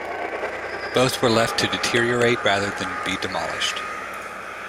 Both were left to deteriorate rather than be demolished.